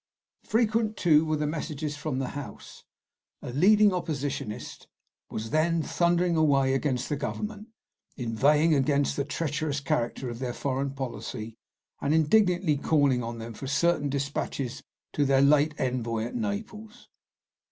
Frequent, too, were the messages from the House; a leading Oppositionist was then thundering away against the Government, inveighing against the treacherous character of their foreign policy, and indignantly calling on them for certain despatches to their late envoy at Naples.